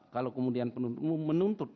kalau kemudian penuntut umum menuntut